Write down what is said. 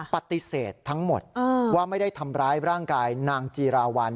ปฏิเสธทั้งหมดว่าไม่ได้ทำร้ายร่างกายนางจีราวัล